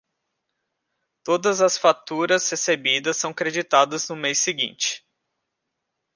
Todas as faturas recebidas são creditadas no mês seguinte.